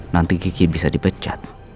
nanti kiki bisa dipecat